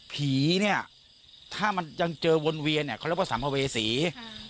ผีเนี่ยถ้ามันยังเจอวนเวียนเนี่ยเขาเรียกว่าสัมภเวษี